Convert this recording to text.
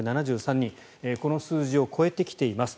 この数字を超えてきています。